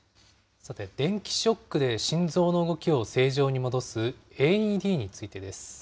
さて、電気ショックで心臓の動きを正常に戻すＡＥＤについてです。